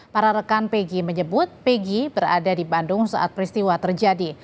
para rekan pegi menyebut pegi berada di bandung saat peristiwa terjadi